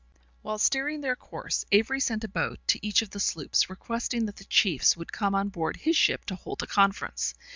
_] While steering their course, Avery sent a boat to each of the sloops, requesting that the chiefs would come on board his ship to hold a conference.